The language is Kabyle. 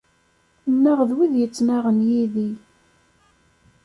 Nnaɣ d wid yettnaɣen yid-i!